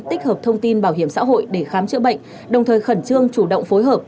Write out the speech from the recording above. tích hợp thông tin bảo hiểm xã hội để khám chữa bệnh đồng thời khẩn trương chủ động phối hợp